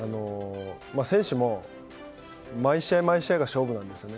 選手も毎試合毎試合が勝負なんですね。